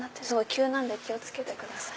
急なんで気を付けてください。